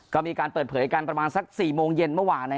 ก็มีการเปิดเผยกันประมาณสัก๔โมงเย็นเมื่อวาน